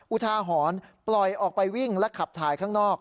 อุทาหรณ์ปล่อยออกไปวิ่งและขับถ่ายข้างนอก